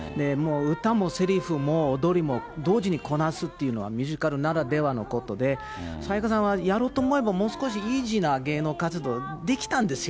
歌もせりふも踊りも同時にこなすっていうのはミュージカルならではのことで、沙也加さんはやろうと思えば、もう少しイージーな芸能活動できたんですよ。